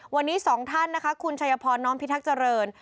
วันนี้๒ท่านคุณชัยพรน้องพิทักษ์เจริญ